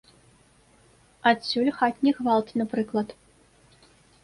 Адсюль хатні гвалт, напрыклад.